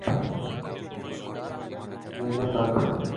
সে তো তর্ক নয়, প্রায় ঘুষি বলিলেই হয়।